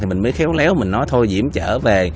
thì mình mới khéo léo mình nó thôi diễm trở về